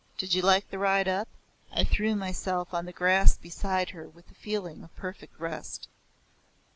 Did you like the ride up?" I threw myself on the grass beside her with a feeling of perfect rest.